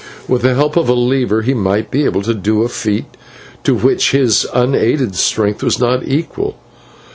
With the help of a lever he might be able to do a feat to which his unaided strength was not equal.